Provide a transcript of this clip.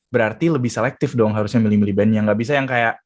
berarti lebih selektif dong harusnya milih milih band yang gak bisa yang kayak